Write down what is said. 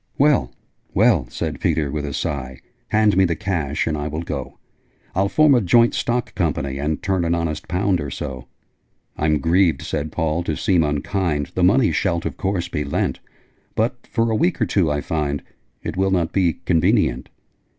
'Well, well!' said Peter, with a sigh. 'Hand me the cash, and I will go. I'll form a Joint Stock Company, And turn an honest pound or so.' 'I'm grieved,' said Paul, 'to seem unkind: The money shalt of course be lent: But, for a week or two, I find It will not be convenient.'